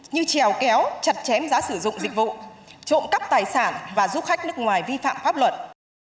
như trèo kéo chặt chém giá sử dụng dịch vụ trộm cắp tài sản và giúp khách nước ngoài vi phạm pháp luật